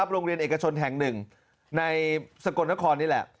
โรงเรียนเอกชนแห่งหนึ่งในสกลนครนี่แหละ